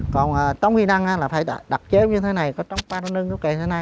còn trong hy năng là phải đặt chế như thế này có trong ba đông nâng trong cây thái năng